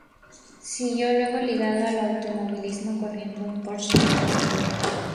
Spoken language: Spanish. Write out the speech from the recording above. Siguió luego ligado al automovilismo, corriendo en Porsche Carrera Cup.